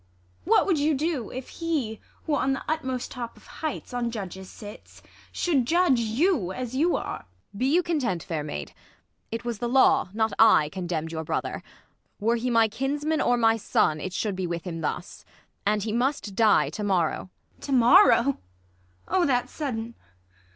What would you do If he, who on the utmost top of heights, On judges sits, should judge you as you are ? Ang. Be you content, fair maid, It was the law, not I, condemn'd your brother : Were he my kinsman or my son, it should Be with him thus. And he must die to morrow. ISAB. To morrow 1 Oh, that's sudden